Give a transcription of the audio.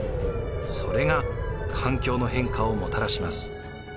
それが環境の変化をもたらします。